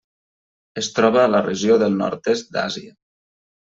Es troba a la regió del Nord-est d'Àsia.